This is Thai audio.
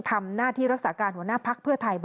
ทำหน้าที่รักษาการหัวหน้าพักให้ผู้ใจ